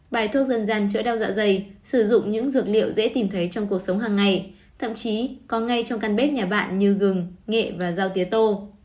bài thuốc dân gian chữa đau dạ dày sử dụng những dược liệu dễ tìm thấy trong cuộc sống hàng ngày thậm chí có ngay trong căn bếp nhà bạn như gừng nghệ và dao tía tô